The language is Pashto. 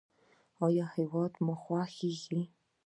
ایا هیواد مو خوښیږي؟